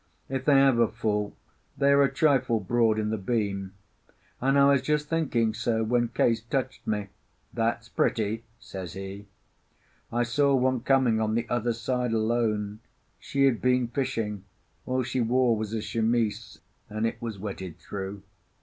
If they have a fault, they are a trifle broad in the beam; and I was just thinking so when Case touched me. "That's pretty," says he. I saw one coming on the other side alone. She had been fishing; all she wore was a chemise, and it was wetted through.